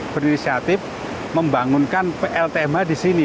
berinisiatif membangunkan pltmh di sini